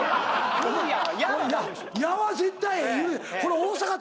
「や」は絶対。